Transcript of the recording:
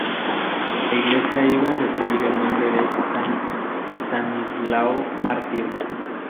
La iglesia iba a recibir el nombre de San Estanislao mártir.